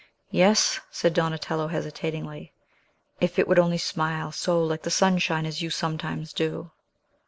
"Yes," said Donatello hesitatingly; "if it would only smile so like the sunshine as you sometimes do.